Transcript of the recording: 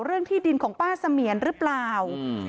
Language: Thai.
เรื่องที่ดินของป้าเสมียรหรือเปล่าอืม